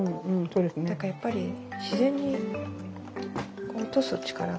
だからやっぱり自然に落とす力が強いんですよね。